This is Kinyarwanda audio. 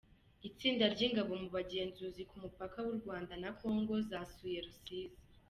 Itsinda ry’ingabo mu bugenzuzi ku mupaka w’u Rwanda na Congo zasuye Rusizi